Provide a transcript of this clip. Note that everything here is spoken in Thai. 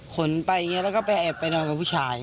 ไปอย่างนี้แล้วก็ไปแอบไปนอนกับผู้ชาย